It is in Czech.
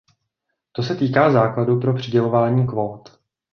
To se týká základu pro přidělování kvót.